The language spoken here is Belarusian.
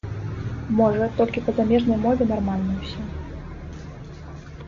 Можа, толькі па замежнай мове нармальна ўсё.